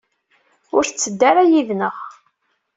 Ur tetteddu ara yid-neɣ?